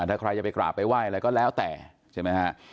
ถ้าใครจะไปกราบไปไหว้อะไรก็แล้วแต่ใช่ไหมฮะ